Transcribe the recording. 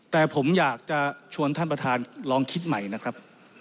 แต่ผมอยากจะชวนท่านประธานลองคิดใหม่นะครับ